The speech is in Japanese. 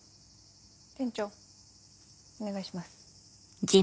店長お願いします。